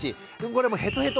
これもうヘトヘト！